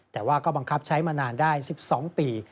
แต่ว่าก็บังคับใช้มานานได้๑๒ปี